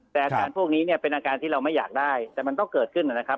แต่อาการพวกนี้เนี่ยเป็นอาการที่เราไม่อยากได้แต่มันก็เกิดขึ้นนะครับ